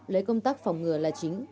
lấy công tác phòng ngừa là chính